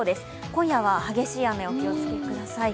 今夜は激しい雨にお気をつけください。